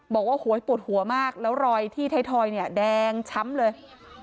บอกว่าโหยปวดหัวมากแล้วรอยที่ไทยทอยเนี่ยแดงช้ำเลย